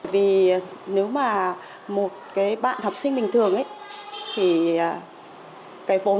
vì nếu mà một cái bạn học sinh bình thường ấy thì cái vốn